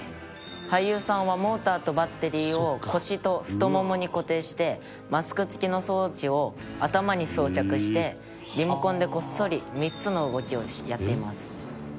「俳優さんはモーターとバッテリーを腰と太ももに固定してマスク付きの装置を頭に装着してリモコンでこっそり３つの動きをやっています」